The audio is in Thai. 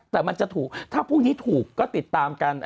แต่มันจะถูกถ้าพรุ่งนี้ถูกก็ติดตามกัน